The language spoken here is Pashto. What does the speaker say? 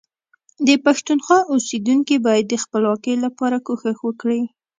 د پښتونخوا اوسیدونکي باید د خپلواکۍ لپاره کوښښ وکړي